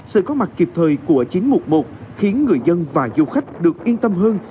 sự có mặt kịp thời của chiến mục một khiến người dân và du khách được yên tâm hơn